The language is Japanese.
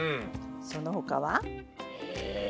その他は？え？